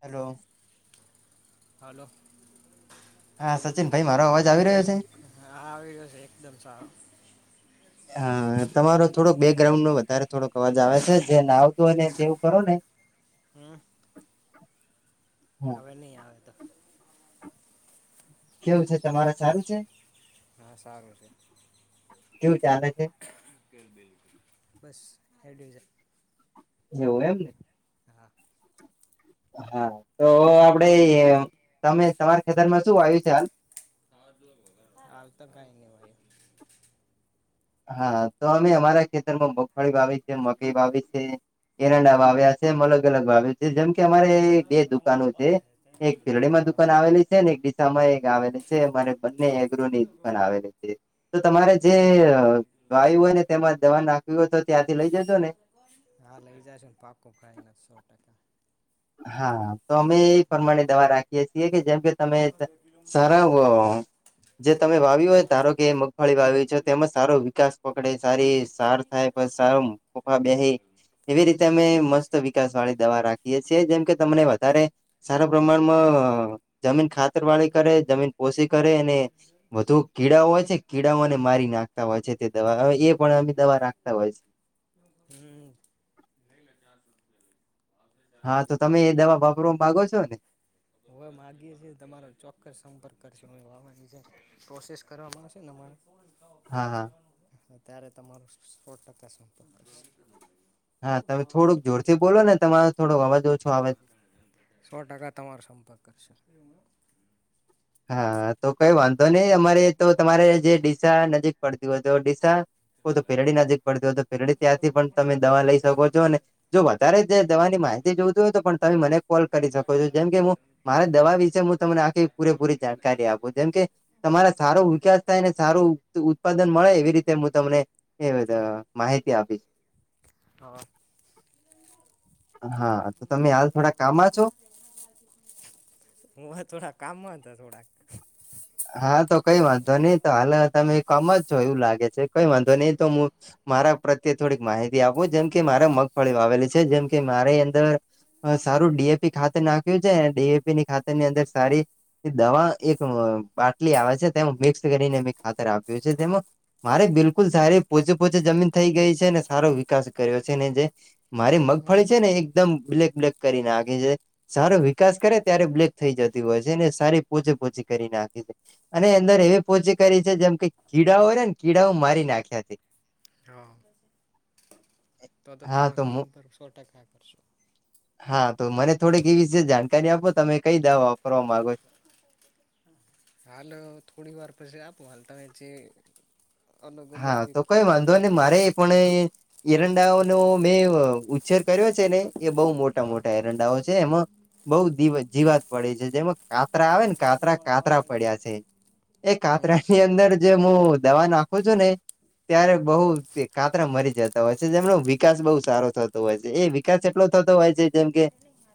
Hello. Hello. હા સચિન ભાઈ, મારો અવાજ આવી રહ્યો છે? હા, આવી રહયો છે. એકદમ સારો. [unintelligible] હા, તમારો થોડો બેકગ્રાઉન્ડ નો વધારે થોડો અવાજ આવે છે, જેને આવતો અને જેવું કરો ને. [unintelligible] હમ. હા તમે નહીં આવ્યા હતા. કેવું છે? તમારે સારું છે? હા, સારું છે. કેવું ચાલે છે? બસ, હે. એવું એમને હા. હા, તો આપડે તમે તમારા ખેતરમાં શું આવ્યું છે હાલ? આવતા કંઈ નહીં, ભાઈ. હા, તો અમે અમારા ખેતરમાં મગફળી વાવી, મકાઈ વાવી છે. એરંડા ભાવે હશે એમ, અલગ અલગ વાવે. જેમ કે, અમારે બે દુકાનો છે. એક ફિરડીમાં હા દુકાન આવેલી છે ને એક સમય એક આવેલી છે. મારે બંને એગ્રની દુકાન આવેલી છે. તો તમારે જે વાયુ હોય ને, તેમાં જવાન નાખ્યું હોય તો ત્યાંથી લઈ જજો ને. હા, લઈ જશે ને. પાકો ખાઈને, સો ટકા. હા, તો અમે એ પ્રમાણે દવા રાખીએ છીએ, કે જેમ કે તમે સરાવો [unintelligible] જે તમે વાવ્યું હોય, ધારો કે મગફળી વાવી છે, તેમાં સારો વિકાસ પકડે, સારી સાર થાય. સારો, બે એવી રીતે અમે મસ્ત વિકાસ વાળી દવા રાખીએ. છે, જેમ કે તમને વધારે સારા પ્રમાણમાં જમીન ખાતર વાળી કરે, જમીન પોષી કરે ને વધુ કીડાઓ હોય છે, કીડાઓને મારી નાખતા હોય છે તે દવાવે એ પણ અમે દવા નાખતા હોય છે. હમ. હા, તો તમે એ દવા વાપરવા માંગો છો ને? હવે માગીએ‌. તમારો ચોક્કસ સંપર્ક કરશે. હ આવાની જે પ્રોસેસ કરવાવામાં આવશે ને, મારે. હા હા ત્યારે તમારો સોળ ટકા સંપર્ક. હા, તમે થોડુંક જોરથી બોલો ને. તમારો થોડો અવાજ ઓછો આવે છે. સો ટકા તમારો સંપર્ક કરશે. હા, તો કઈ વાંધો નહીં. અમારે તો તમારે જે ડીસા નજીક પડતી હોય તો ડીસા ઓ, તો પેરડી હા નજીક પડતી હોય તો પેરેડી. ત્યાંથી પણ તમે દવા લઈ શકો છો. અને જો વાત તારે જે દવાની માહિતી જોવતું હોય તો પણ તમે મને કોલ કરી શકો છો. જેમ કે, હું મારા દવા વિશે હું તમને આખી પૂરેપૂરી જાણકારી આપો, જેમ કે તમારા સારો વિકાસ થાય ને સારું ઉત્પાદન મળે એવી રીતે હું તમને એવી ચલે માહિતી આપું. હા. હા, તો તમે હાલ થોડા કામ છો? હું થોડા કામમાં હતા, થોડાક. હા, તો કઈ વાંધો નઈ તો હાલ તમે કમ જ છો એવું લાગે છે, કઈ વાંધો નઈ તો હું મારા પ્રત્યે થોડીક માહિતી આપૂ, જેમકે મારે મગફળી આવેલી છે, જેમકે મારી અંદર સારું ડી એ પી ખાતર નાખ્યું છે, ડી એ પી ની ખાતરની અંદર સાડી દવા એક બાટલી આવે છે તેમાં મિક્સ કરીને મે ખાતર આપ્યું છે તેમાં મારે બિલકુલ સારી પોચું પોચું જમીન થઇ ગઈ છે ને સારો વિકાસ કર્યો છે ને જે મારી હમ મગફળી છે ને એકદમ બ્લેક બ્લેક કરી નાખે છે. સારો વિકાસ કરે ત્યારે બ્લેક થઈ જતી હોય છે અને સારી પોચે પોચી કરી નાખ અને અંદર એવી પોચી કરી છે જેમકે કીડાઓ હોય ને, કીડાઓ મારી નાખ્યા છે. હા. તો તો હા તમારો મુ સંપર્ક સો ટકા કરશો. હા, તો મને થોડીક એવી વિશે જાણકારી આપો તમે કઈ દાવા વાપરવા માંગો હાલ અહ થોડી વાર પછી આપો હાલ તા એ જે અલગ અલગ હા, જે તો કઈ કહેતા તે વાંધો એ નહી મારે કહેજો પણ એ એઈરંડાઓ નો મેં અહ ઉચ્છેર કર્યો છે ને એ બહુ મોટા મોટા એરંડાઓ છે એમાં બઉ દી જીવાત પડે છે જેમાં કા કારા આવે ને કાતરા કાતરા પડ્યા છે એ હમ કાતરા ની અંદર જે હું દવા નાખ હોજો ને ત્યારે બહુ હમ તે કાતરા મરી જતા હોય છે જેમનો વિકાસ બહુ સારો થતો હોય છે. એ વિકાસ એટલો થતો હોય છે જેમ કે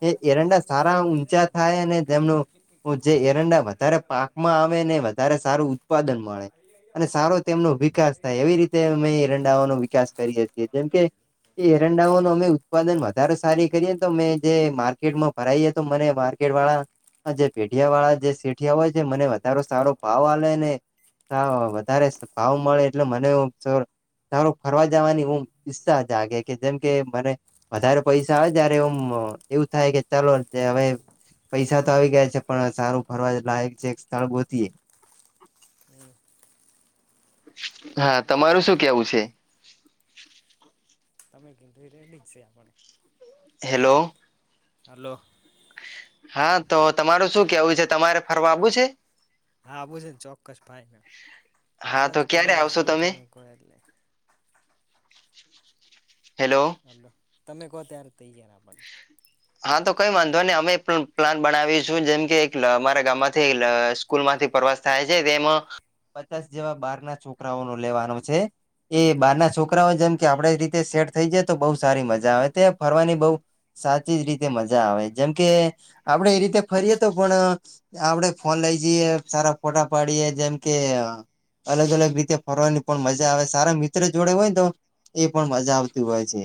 એ એરંડા સારા ઊંચા થાય અને જેમનું ઉ જે એરંડા વધારે પાકમાં આવે ને વધારે સારું ઉત્પાદન મળે અને સારો તેમનો વિકાસ થાય એવી રીત તે અમે ઇરંડાઓનો વિકાસ કરીએ છીએ જેમ કે એ એરંડાઓ નો અમે ઉત્પાદન વધારે સારી કરીએને તો અમે જે માર્કેટમાં પરાઈ એ તો મને માર્કેટ વાળા અહ જે પેઢિયા વાળા જે શેઠિયા હોય છે મને વધારો સારો ભાવ આલે ને હા વધારે ભાવ મળે એટલે મને સ તારો ફરવા જવાની હું ઈચસા જ આગે કે જેમ કે મને વધારે પૈસા આવે ત્યારે એમ એવું થાય કે ચાલો તે હવે પૈસા તો આવી ગયા છે પણ સારું ફરવા લાયક છે એક સ્થળ ગોતીયે હમ્મ. હા, તમારું શું કેવું છે? તમે કીધુ રેડી જ છે આપણે. હેલો. હાલો. હા, તો તમારું શું કેવું છે તમારે ફરવા આબું છે? હા, બું છેે ને ચોક્કસ ભાઈના હા આપડે તો ક્યારે તૈયાર આવશો છીએ તમે કો એટલે હેલો હલો, તમે કો ત્યારે તૈયાર આપડે હા, તો કઈ વાંધો ને અમે પ્લાન બનાવીશું જેમકે એક અમારા ગામમાંથી [unintelligible] સ્કૂલ માંથી પ્રવાસ થાય છે, તેમાં પચાસ જેવા બારના છોકરાઓ નો લેવાનો છે. એ હ બારના છોક છોકરાઓ જેમકે આપડે એ રીતે સેટ થઈ જાય, તો બો સારી મજા આવે તે ફરવાની બો સાત [unintelligible] રીતે મજા આવે જેમકે આપડે એ રીતે ફરીએ તો પણ આપડે ફોન લઈ જઈએ, સારા ફોટા પાડીએ જેમકે અહ અલગ અલગ રીતે ફરવાની પણ મજા આવે સારા મિત્રો જોડે હોય તો એ પણ મજા આવતી હોય છે.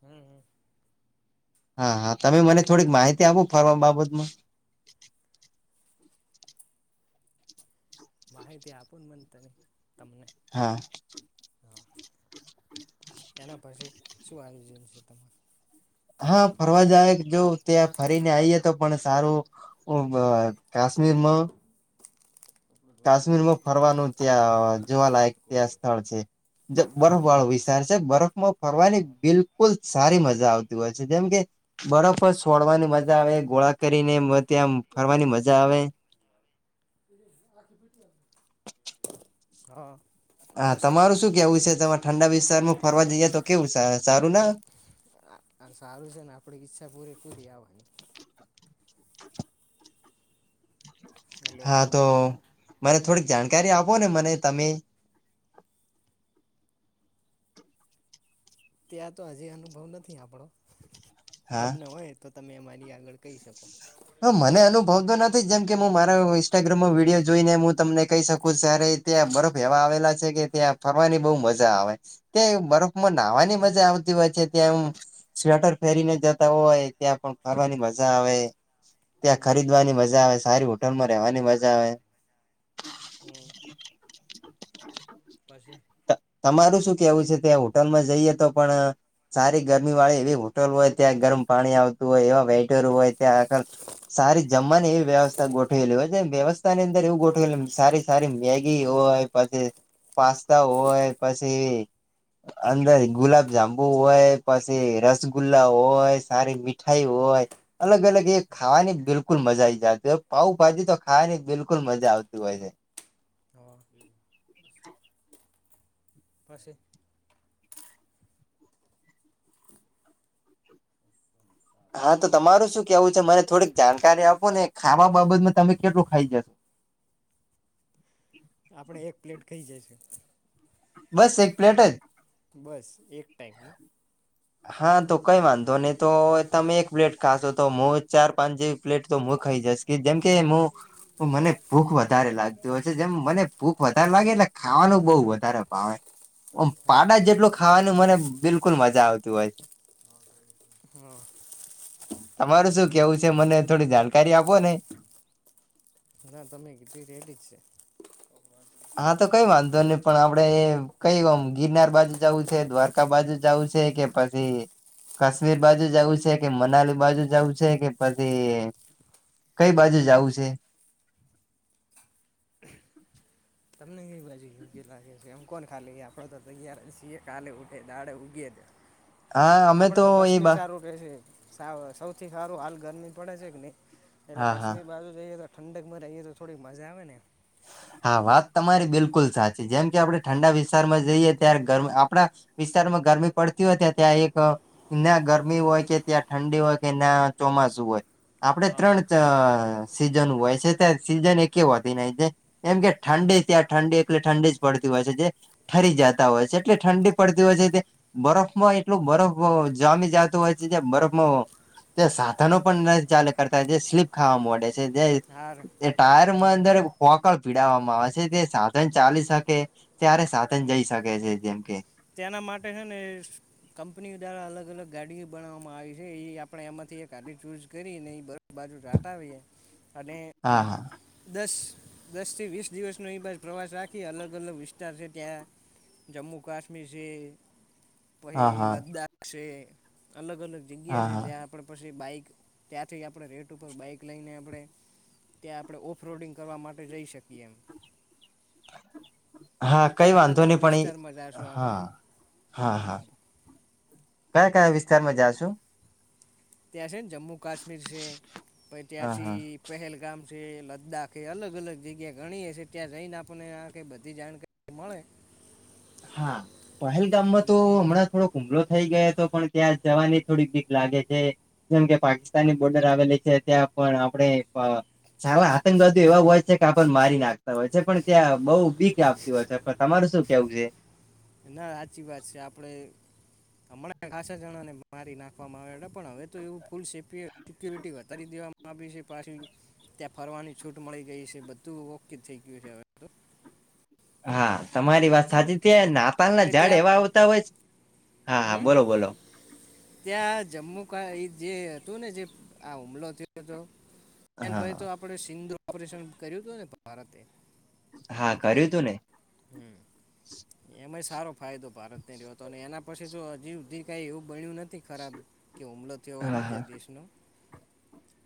હમ્મ, હમ્મ. હા, હા તમે મને થોડીક માહિતી આપો ફરવા બાબતમાં? માહિતી આપું મને તને તમને હા. હા એના પછી શું આયોજન છે તમારું. હા ફરવા જાવ જો ત્યાં ફરીને આઈએ તો પણ સારું કાશ્મીરમાં કાશ્મીરમાં હમ ફરવાનું ત્યાં જોવા લાયક ત્યાં સ્થળ છે. જે બરફ હ વાળો વિશાર છે બરફ માં હ ફરવાની બિલ કુલ સારી મજા આવતી હોય છે જેમ કે બરફ છોડવાની મજા આવે ગોળા કરીને ત્યામ ફરવાની મજા આવે. આખી પઠ હા. હા તમારું શું કેવું છે તમારે ઠંડા વિસ્તારમાં ફરવા જઈએ તો કેવું સારું ના સારું છે ને આપણે ઈચ્છા પૂરે પૂરી આવવાની હલો હા તો મને થોડીક જાણકારી આપો ને મને તમે. ત્યાં તો હજી અનુભવ નથી આપણો હા તમને હોય તો તમે અમારી આગળ કહી શકો હ મને અનુભવ તો નથી જેમ કે હું મારા ઇન્સ્ટાગ્રામમાં વિડીયો જોઈને હું તમને કહી શકું ત્યારે ત્યાં બરફ એવા આવેલા છે કે ત્યાં ફરવાની બહુ મજા આવે ત્યાં બરફમાં નાહવાની મજા આવતી હોય છે ત્યાંમ સ્વેટર ફેરીને જતા હોય ત્યાં પણ ફરવાની મજા આવે. ત્યાં હમ ખરીદવાની મજા આવે સારી હોટલ માં રહેવાની મજા આવે. હમ પછી. તમારું શું કેવું છે ત્યાં હોટલમાં જઈએ તો પણ સારી ગરમી વાળી એવી હોટલ હોય ત્યાં ગરમ પાણી આવતું હોય એવા વેટર હોય ત્યાં આગળ સારી જમવાની એવી વ્યવસ્થા ગોઠવેલી હોય છે, વ્યવસ્થાની અંદર એવું ગોઠવેલું સારી સારી મેગી હોય. પછી પાસ્તા હોય પછી. અંદર ગુલાબ જાંબુ હોય, પછી રસગુલ્લા હોય, સારી મીઠાઈ હોય, અલગ અલગ એ ખાવાની બિલકુલ મજા આવીઈ જતી હો પાઉ ભાજી તો ખાવાની બિલકુલ મજા આવતી હોય છે. [unintelligible] પાશે હા તો તમારું શું કેવું છે મને થોડીક જાણકારી આપો ને ખાવા બાબતમાં તમે કેટલું ખાઈ જશો આપણે એક પ્લેટ ખઇ જાય છે. બસ એક પ્લેટ જ બસ એક ટાઈપનું હા તો કઈ વાંધો નહી તો તમે એક પ્લેટ ખાશો તો હું ચાર પાંચ જેવી પ્લેટ તો હું ખાઈ જઇશ કે જેમ કે હું મને ભૂખ વધારે લાગતી હોય છે જેમ મને ભૂખ વધારે લાગે એટલે ખાવાનું બહુ વધારે ભાવે ઓમ હા પાડા જેટલો ખાવાનું મને બિલકુલ મજા આવતી હોય છે હા તમારું શું કેવું? મને થોડી જાણકારી આપો ને ના તમે કીધલી રેડી જ છે. ઓવા હા તો કઈ વાંધો નહી પણ આપડે કઈમ ગિરનાર બાજુ જવું છે, દ્વારકા કા બાજુ જવું છે કે પછી કાશ્મીર બાજુ જવું છે કે, મનાલી બાજુ જવું છે કે, પછી કઈ બાજુ જવું છે. તમને કઇ બાજુ યોગ્ય લાગે છે એમ કોણ ખાલી આપડે તો તૈયાર છીએ કાલે ઉઠે દાડે ઉગી હ આપડે તો કાશ્મીર સારું કે સૌથી સારું હાલ ગરમી પડે છે કે નહી એટલે હા હા કાશ્મીર બાજુ જઈએ તો ઠંકમાં રહીએ તો થોડી મજા આવે ને હા વાત તમારી બિલકુલ સાચી જેમ કે આપણે ઠંડા વિસ્તારમાં જઈએ ત્યારે ગરમ આપડા વિસ્તારમાં ગરમી પડતી હોય ત ત્યાં એક ના ગરમી હોય કે ત્યાં ઠંડી હોય કે ના ચોમાસું હોય આપડે હા ત્રણ જ સિઝન હોય છે ત સિઝન એક એ વધીને તે. એમ કે ઠંડી ત્યા ઠંડી એટલે ઠંડી જ પડતી હોય છે જે ઠરી જતા હોય છે એટલે ઠંડી પડતી હોય છે તે બરફમાં એટલું બરફ‌ અ જામી જાતો હોય છે જે બરફમાં તે સાધનો પણ ન‌ઇ ચાલે કરતા જે સ્લીપ ખાવા મડે છે જે હાર એ ટાયર માં અંદર કોકળ પીડવામાં આવે છે તે સાધન ચાલી શકે ત્યારે સાધન હમ જઈ શકે છે જેમ કે. તેના માટે હે ને કંપની દ્વારા અલગ અલગ ગાડીઓ બનાવવામાં આવી છે એ આપડે એમાંથી ગાડી ચૂઝ કરી ને બ બાજુ જાટાવીએ અને હા હા દસ દસ થી વીસ દિવસનો એ બાજ પ્રવાસ રાખી અલગ અલગ વિસ્તાર છે ત્યાં જમ્મુ કાશ્મીર છે. પહે હા હા લદ્દાખ છે અલગ અલગ હા જગ્યા છે જ્યાં હા આપણે પછી બાઈક ત્યાંથી આપણે રેટ ઉપર બાઈક લઈને આપણે ત્યાં આપણે ઓફરોડિંગ કરવા માટે જઈ શકીએ એમ હા કઈ ત્યાં અલગ વાંધો અલગ નહી પણ વિસ્તારમાં જાશુ એ આપણે હા હા હમ હા કયા કયા વિસ્તારમાં જાશું. ત્યાં છે ને જમ્મુ કાશ્મીર છે પ હા હા ત્યાંથી પહેલગામ છે લદ્દાખ છે અલગ અલગ જગ્યા ગણીએ છે ત્યાં જઈને આપણને આખ બધી જાણકારી મળે હા પહેલ ગામમાં તો હમણાં થોડોક હુમલો થઈ ગયો હતો પણ ત્યાં જવાની થોડીક બિક લાગે છે. જેમ કે પાકિસ્તાની બોર્ડર આવેલી છે ત્યાં પણ આપણે પ સાવ આતંકવાદ એવા હોય છે કે આપને મારી નાખતા હોય છે પણ ત્યાં બઉુ બીક છે પણ તમારું શું કેવું છે. ના હાચી વાત છે આપડે. હમણાં ખાસા જણા ને મારી નાખવામાં આવે હતા પણ હવે તો એવું ફૂલ સિપી અ સિક્યુરિટી વધારી દેવામાં આવી છે પાછિ. ત્યાં ફરવાની છૂટ મળી ગઈ છે બધું ઓકે થઈ ગયું છે હવે. તો હા તમારી વાત સાચી છે નાતાલ ના પછી ઝાડ ત્યાં એવા આવતા હોય છે હા હા હમ બોલો બોલો. ત્યાં જમ્મુ ક જે હતું ને જે આ હુમલો થયો હતો. એન પછે તો હા આપડે સિંધુ ઓપરેશન કર્યું હતું ને ભારતે હા કર્યું તું ને હમ એમાં સારો ફાયદો ભારતને રહ્યો હતો અને એના પછી જો હજીઉધી કઈ એવું બન્યું નથી ખરાબ. કે હુમલો થયો હોય હા હા બીજા દેશનો.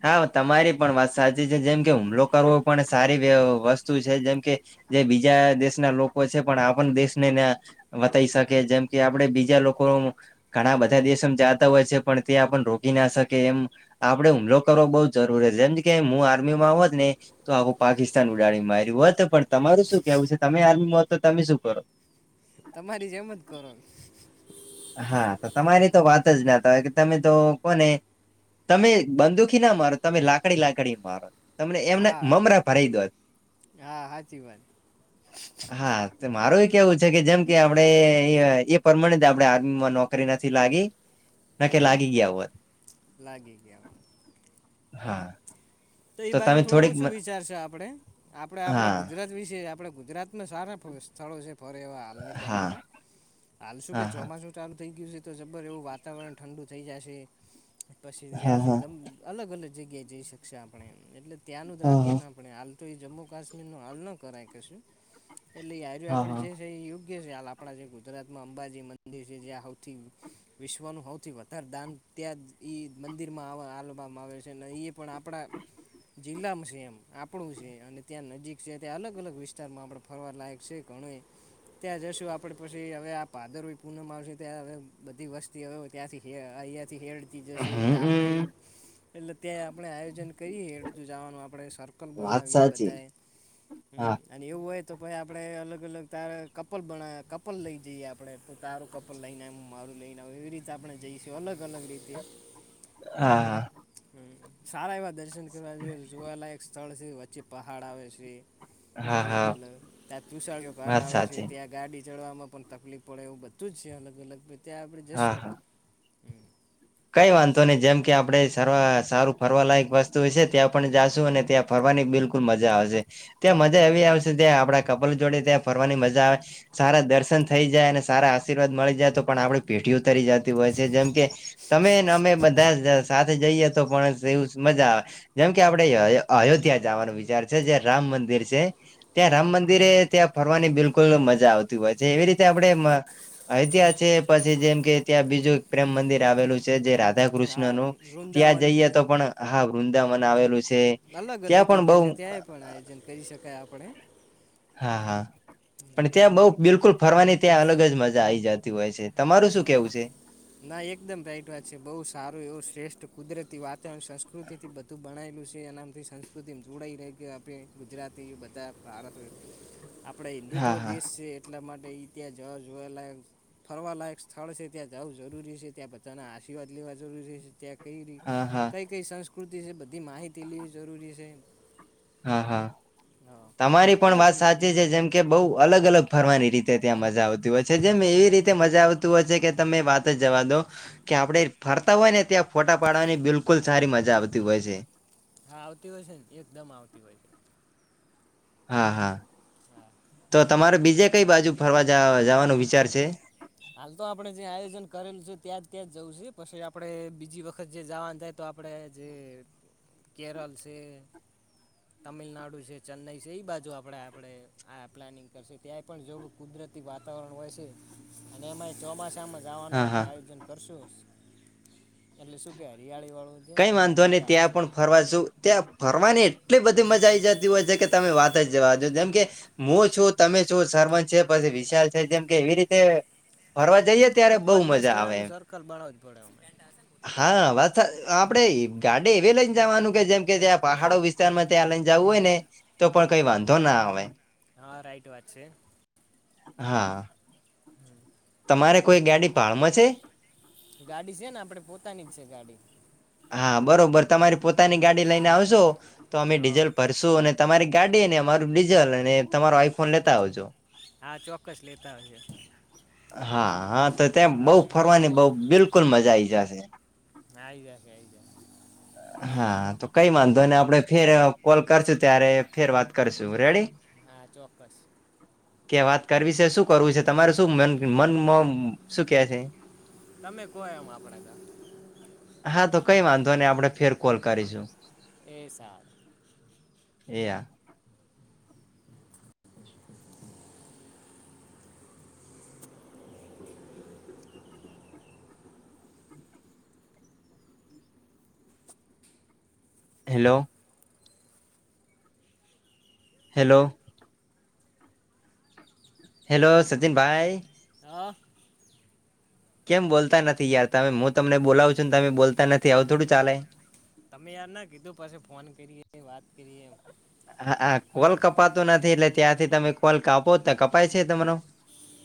હા તમારી પણ વાત સાચી છે જેમ કે હુમલો કરવો પણ સારી વ વસ્તુ છે જેમ કે. જે બીજા દેશના લોકો છે પણ આપણ દેશને બતાઈ શકે જેમ કે આપડે બીજા લોકો ઘણા બધા દેશમ જાતા હોય છે પણ ત્યાં પણ રોકી ના શકે એમ આપડે હુમલો કરવો બઉ જરૂરી છે જેમ કે હું આર્મીમાં હોત ને તો હું પાકિસ્તાન ઉડાડી માર્યું હોત પણ તમારું શું કેવું છે તમે આર્મીમાં હોત તો તમે શું કરો. તમારી જેમ જ કરો. હા તો તમારી તો વાત જ નાતા હોય કે તમે તો કોને તમે બંદુખી ના મારો તમે લાકડી લાકડી મારો તમને એમને હા મમરા ભરાઈ દોત. હા સાચી વાત હા મારું એ કેવું છે કે જેમ કે આપડે એ પ્રમાણે આપડે નોકરી નથી લાગી ના કે હમ લાગી ગયા હોત. લાગી ગયા હા. તોઈ તો બાજુ તમે થોડું થોડીક મ ઓછું વિચારશે આપડે આપડે આપડા હા ગુજરાત આપડે ગુજરાતમાં સારા સ્થળો છે. ફરે એ હાલની હા ટાઈમમાં હાલ શું કે હા હા ચોમાસું ચાલું થઈ ગયું છે તો જબર એવું વાતાવરણ ઠંડુ થઈ જશે પછી હા હા ત્યાંથી હા ગમ અલગ અલગ જગ્યાએ જઈ શકશે આપણે એટલે ત્યાંનું જ રાખીએ હા ને આપણે આપણે હાલ તો એ જમ્મુ કાશ્મીર નો હાલ ન કરાય કેશું એટલે આજુ હા આપડે હા જે છે [unintelligible] આપણા જે ગુજરાત માં અંબાજી મંદિર છે જ્યાં સૌથી વિશ્વનું સૌથી વધારે દાન ત્યાં મંદિરમાં આલવામાં છે અને એ પણ આપણા જિલ્લામાં છે એમ આપણું છે અને ત્યાં નજીક છે ત્યાં અલગ અલગ વિસ્તારમાં આપણે ફરવા લાયક છે ઘણું ત્યાં જશું આપડે પછી હવે આ પાદર પૂનમ આવશે ત્યાં હવે બધી વસ્ત ત્યાંથી અહીયાથી હેડતી જશે હમ એટલે આપણે હમ. એટલે ત્યા આપણે કઈ હેડતું જવાનું આપણે સર્કલ વાત બનાવીએ સાચી બધાએ હમ. હા અને એવું હોય તો પ આપણેે અલગ અલગ તારે કપલ બના કપલ લઈ જઈએ આપણે તું તારું કપલ લઈને આવ હું મારું લઈને આવ એવી રીતે આપણે જઈશું અલગ અલગ રીતે હા. હમ સારા એવા દર્શન કરવા જો જોવાલાયક સ્થળ છે વચ્ચે પહાડ આવે છે. હા અલગ હા અલગ ત્યાં તુષળયો ઘાટ વાત આવે છે સાચી ત્યાં ગાડી ચડવામાં પણ તકલીફ પડે એવું બધું જ છે અલગ અલગ ત્યાં આપણે હા હા જશું હ. કઈ વાંધો નહી જેમ કે આપડણે સારવા સારું ફરવાલાયક વસ્તુ હોય ત્યાં પણ જાશું અને ત્યાં ફરવાની બિલકુલ મજા આવશે ત્યાં હમ મજા એવી આવશે ત્યાં આપડા કપલ જોડે ત્યાં ફરવાની મજા આવે સારા દર્શન થઈ જાય અને સારા આશીર્વાદ મળી જાય તો પણ આપણી પેઢી ઉતરી જતી હોય છે જેમ કે તમેને અમે બધા સાથે જઈએ તો પણ એવું મજા આવે. જેમ કે આપડે અયોધ્યા જવાનું વિચાર છે જે રામ મંદિર છે ત્યાં હમ રામ મંદિર [unintelligible] ત્યાં ફરવાની બિલકુલ મજા આવતી હોય છે એવી રીતે આપણે અ ત્યાં છે પછી જેમ કે ત્યાં બીજું પ્રેમ મંદિર આવેલું છે જે રાધા આ કૃષ્ણ નું ત્યાં વૃંદાવન જઈએ છે તો પણ હા વૃંદાવન આવેલું છે અલગ અલગ ત્યાં પણ જગ્યા બહું છે ત્યાંય પણ આયોજન કરી શકાય આપણે. હા હા પણ ત્યાં બહું બિલકુલ ફરવાની ત્યાં અલગ જ મજા આઈ જતી હોય છે તમારું શું હા કેવું છે. ના એકદમ રાઈટ વાત છે બહુ સારું એવું શ્રેષ્ઠ કુદરતી વાતાવરણ સંસ્કૃતિથી બધું બણાયેલું છે એનામથી સંસ્કૃતિ જોડાઈ [unintelligible] આપણે ગુજરાતી બધા [unintelligible] આપણે હા હિન્દુત્વ હા દેશ છે એટલા માટે ઇતિહાસ જોવા જોવાલાયક ફરવાલાયક સ્થળ છે ત્યાં જવું જરૂરી છે ત્યાં બધાના આશીર્વાદ લેવા જરૂરી છે ત્યાં કઈ રીત હા હા કઈ કઈ સંસ્કૃતિ છે બધી માહિતી લેવી જરૂરી છે. હા હા હા તમારી પણ અલગ વાત અલગ સાચી છે, જેમ કે બહુ અલગ અલગ ફરવાની રીતે ત્યાં મજા આવતી હોય છે જેમ એવી રીતે મજા આવતી હોય છે કે તમે વાત જ જવા દો કે આપણે ફરતા હોય ને ત્યાં ફોટા પાડવાની બિલકુલ સારી મજા આવતી હોય છે. હા આવતી હોય છે ને એકદમ આવતી હોય છે. હા હા. હા. તો તમારે બીજે કઈ બાજુ ફરવા જવાનો વિચાર છે. હાલ તો આપડે જે આયોજન કરેલું છે ત્યાં જ ત્યાં જવું છે પછી આપડે બીજી વખત જે જવાનું થાય તો આપણે જે કેરળ છે. [inaudible] તમિલનાડુ છે ચેન્નાઈ છે એ બાજુ આપણે આપણે આ પ્લાનિંગ કરશે ત્યાંય પણ જોવું કુદરતી વાતાવરણ હોય છે. અને એમાં એ ચોમાસામાં જવાનું હા આપણે હા આયોજન કરીશું એટલે શું કે હરિયાળી વાળો કંઈ વાંધોને ત્યાં પણ ફરવાજું ત્યાં ફરવાની એટલી બધી મજા આઈ જતી હોય છે, કે તમે વાત જ જવા દો જેમ કે હું છું તમે છું સરમન છે પછી વિશાલ છે જેમ કે એવી રીતે ફરવા જઈએ ત્યારે આપણે બહુ પાંચ દસ મજા આવે, જણાનું એમ સર્કલ બનાવવું જ પડે અમે [unintelligible] હા વા આપણેે ગાડીે એવી લઈને જવાનું કે જેમ કે ત્યાં વિપુલ પહાડો વિસ્તારમાં ત્યાં લઈને જવું હોય ને પણ કઈ હમ વાંધો ના આવે હા રાઈટ વાત છે. હા હમ તમારે કોઈ ગાડી ભાળમાં છે ગાડી છે ને આપડે પોતાની જ છે ગાડી. હા બરોબર તમારી પોતાની ગાડી લઈને આવશો તો અમે હા ડીઝલ ભર શું અને તમારી ગાડી અને અમારું ડીઝલ અને તમારો આઈફોન લેતા આવજો. હા ચોક્કસ લેતા આવીયે હા હા તો ત્યાં બઉ ફરવાની બહ બિલકુલ મજા આઈ જશે હાઈ છે હા તો કઈ વાંધો અને આપણે ફેર કોલ કરશું ત્યારે ફેર વાત કરશું રેડી? હા ચોક્કસ કે વાત કરવી છે શું? કરવું છે તમારે શું મન શું કે છે? તમે કોો એમ આપડ તો હા તો કઈ વાંધો ને આપડે ફેર કોલ કરીશું એ સારું [unintelligible] એયા હેલો હેલો હેલો સચિન ભાઈ? હા કેમ બોલતા નથી યાર તમે હું તમને બોલાવું છું ને તમે બોલતા નથી આવું થોડું ચાલે? તમે યાર ના કીધું પછ ફોન કરીએ વાત કરીએ હા હા કોલ કપાતું નથી એટલે ત્યાંથી તમે કોલ કાપો તો કપાય છે તમરો?